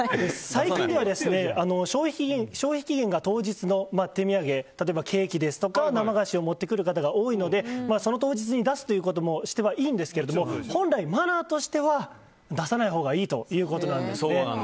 最近では、消費期限が当日の手土産例えば、ケーキですとか生菓子を持ってくる方が多いのでその当日に出すということもしていいんですけれども本来、マナーとしては出さないほうがいいということなんです。